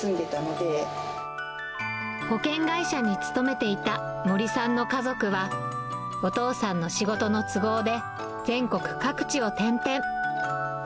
保険会社に勤めていた森さんの家族は、お父さんの仕事の都合で、全国各地を転々。